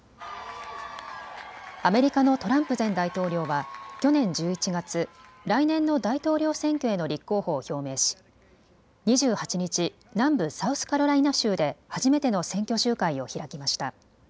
アメリカのトランプ前大統領は去年１１月、来年の大統領選挙への立候補を表明し２８日、南部サウスカロライナ州で初めての選挙集会を開きました。